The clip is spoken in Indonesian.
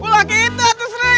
pulang kita tuh sri